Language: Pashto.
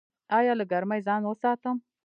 ایا له ګرمۍ ځان وساتم؟